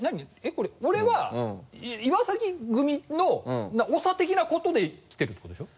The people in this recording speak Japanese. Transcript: これ俺は岩崎組の長的なことで来てるってことでしょ？